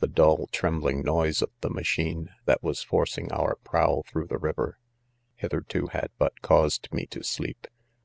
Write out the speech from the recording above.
The dull, trembling noise of the machine, that was forcing our prow through the river, hith erto had but caused me to sleep.